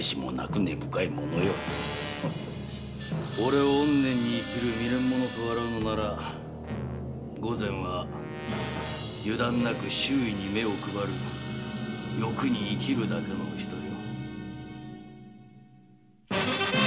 オレをおん念に生きる未練者と笑うなら御前は油断なく周囲に目を配る欲に生きるだけのお人よ。